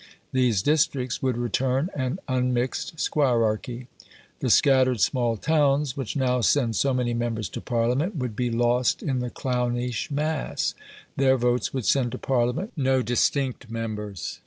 These districts would return an unmixed squirearchy. The scattered small towns which now send so many members to Parliament, would be lost in the clownish mass; their votes would send to Parliament no distinct members.